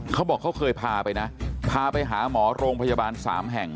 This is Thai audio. เขาบอกเขาเคยพาไปนะพาไปหาหมอโรงพยาบาลสามแห่ง